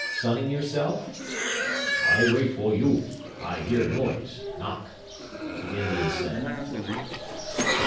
"Sunning yourself?" "I wait for you. I hear noise knock," the Indian said.